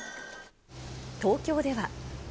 東京では。